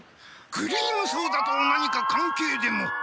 クリームソーダと何か関係でも？